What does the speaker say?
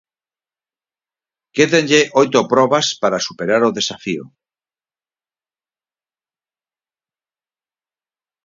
Quédanlle oito probas para superar o desafío.